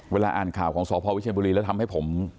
เวลาอ่านข่าวของสพวิเชียบุรีแล้วทำให้ผม